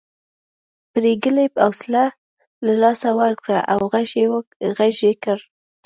پريګلې حوصله له لاسه ورکړه او غږ یې کړ